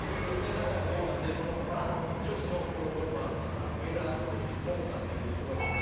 名古屋の子なんでその子と女子のプロゴルファーの方三浦桃香っていう子がいる。